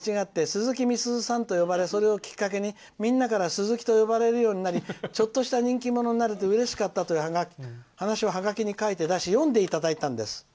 中学生のころ、本名がかねこみすずなのに先生から間違ってすずきみすずさんと呼ばれそれをきっかけに、みんなからすずきと呼ばれるようになりちょっとした人気者になれてうれしかったという話をハガキで書き読んでいただいたんです」。